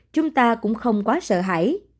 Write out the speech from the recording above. chúng ta cũng không quá sợ hãi